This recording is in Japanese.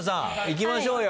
いきましょうよ。